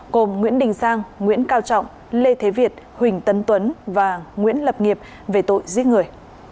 gồm nguyễn đình sang nguyễn cao trọng lê thế việt huỳnh tấn tuấn và nguyễn lập nghiệp về tội giết người